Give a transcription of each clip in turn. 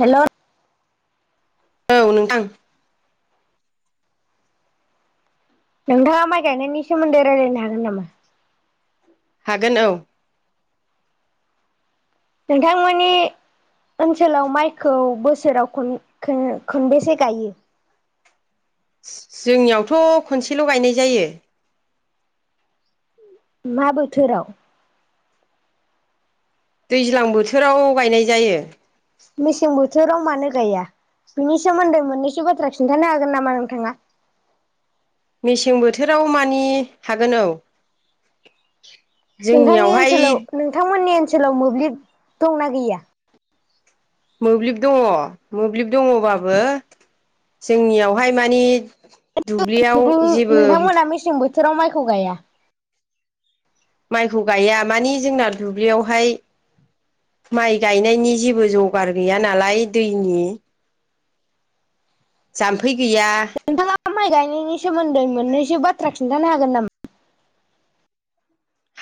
हेल' औ नोंथां नोंथाङा माइ गायनायनि सोमोन्दै रायज्लायनो हागोन नामा? हागोन औ नोंथांमोननि ओनसोलाव माइखौ बोसोराव खन खोन खनबेसे गायो? जोंनियावथ' खनसेल' गायनाय जायो। मा बोथोराव? दैज्लां बोथोराव गायनाय जायो मेसें बोथोराव मानो गाया बिनि सोमोन्दै मोननैसो बाथ्रा खिन्थानो हागोन नामा नोंथाङा मेसें बोथोराव मानि हागोन औ नोंथांनि जोंनियावहाय ओनसोलाव नोंथांमोननि ओनसोलाव मोब्लिब दंना गैया मोब्लिब दङ मोब्लिब दङबाबो जोंनियावहाय माने दुब्लियाव जेबो जों बोथोराव माइखौ गाया माइखौ गाया माने जोंना दुब्लियावहाय माइ गायनायनि जेबो जगार गैया नालाय दैनि जाम्फै गैया नोंथाङा माइ गायनायनि सोमोन्दै मोननैसो बाथ्रा खिन्थानो हागोन नामा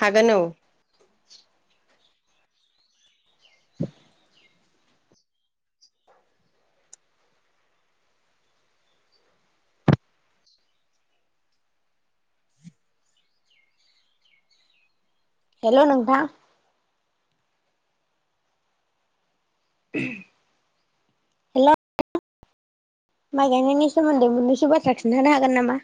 हागोन औ [inaudible] हेलौ नोंथां [unintelligible] हेल' माइ गायनायनि सोमोन्दै मोननैसो बाथ्रा खिन्थानो हागोन नामा